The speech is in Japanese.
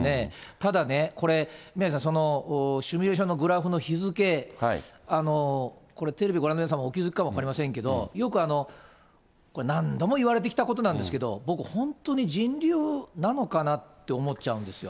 ただ、これ、宮根さん、そのシミュレーションのグラフの日付、これ、テレビご覧の皆さんもお気付きかも分かりませんけれども、よくこれ、何度もいわれてきたことなんですけれども、僕、本当に人流なのかなって思っちゃうんですよ。